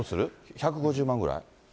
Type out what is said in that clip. １５０万ぐらい？